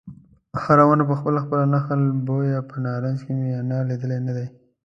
هره ونه خپله خپله نخل بویه په نارنج کې مې انار لیدلی نه دی